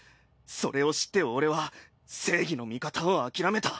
それを知って俺は正義の味方を諦めた。